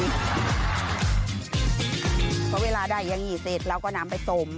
เพราะเวลาได้อย่างนี้เสร็จเราก็นำไปต้ม